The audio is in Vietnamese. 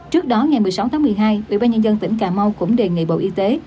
trước đó ngày một mươi sáu tháng một mươi hai ủy ban nhân dân tỉnh cà mau cũng đề nghị bộ y tế